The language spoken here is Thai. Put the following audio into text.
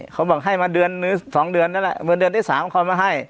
เขาบอกให้มาเดือนที่๓เขามาให้